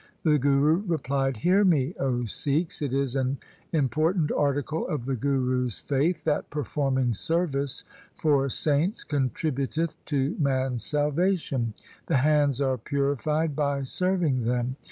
The Guru replied, ' Hear me, O Sikhs, it is an impor tant article of the Guru's faith that performing service for saints contributeth to man's salvation. The hands are purified by serving them.